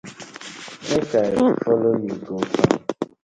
Mek I follo you go fam.